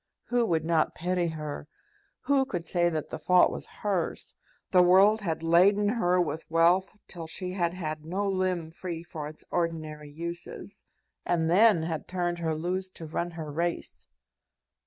Who would not pity her? Who could say that the fault was hers? The world had laden her with wealth till she had had no limb free for its ordinary uses, and then had turned her loose to run her race!